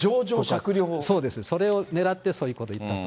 そうです、それをねらってそういうことを言ったと。